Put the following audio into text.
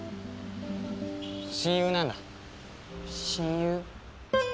親友なんだ親友？